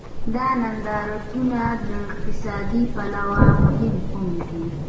دا نندارتون له اقتصادي پلوه هم مهم و.